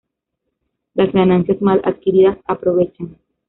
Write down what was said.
Las ganancias mal adquiridas aprovechan.